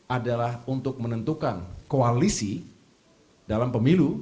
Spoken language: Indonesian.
adalah untuk menentukan koalisi dalam pemilu